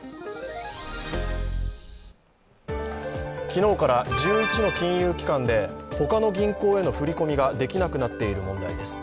昨日から１１の金融機関で他の銀行への振り込みができなくなっている問題です。